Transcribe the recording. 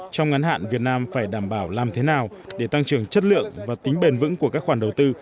trong ngắn hạn việt nam phải đảm bảo làm thế nào để tăng trưởng chất lượng và tính bền vững của các khoản đầu tư